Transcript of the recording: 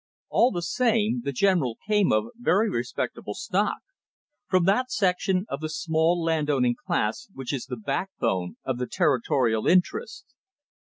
All the same, the General came of very respectable stock, from that section of the small landowning class which is the backbone of the territorial interest.